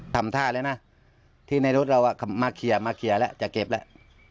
ทำท่าแล้วนะที่ในรถเรามาเคลียร์มาเคลียร์แล้วจะเก็บแล้ว